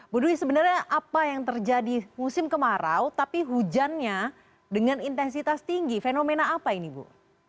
bu dwi sebenarnya apa yang terjadi musim kemarau tapi hujannya dengan intensitas tinggi fenomena apa ini bu